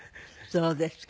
そうですか。